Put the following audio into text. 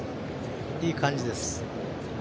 いい感じです。